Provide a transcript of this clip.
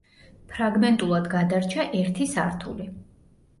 ფრაგმენტულად გადარჩა ერთი სართული.